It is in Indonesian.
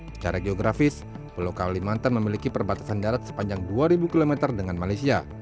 secara geografis pulau kalimantan memiliki perbatasan darat sepanjang dua ribu km dengan malaysia